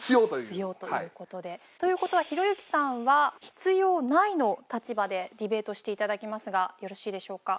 「必要」という事で。という事はひろゆきさんは「必要ない」の立場でディベートしていただきますがよろしいでしょうか？